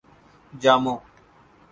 جامو